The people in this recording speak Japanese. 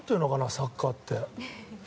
サッカーって。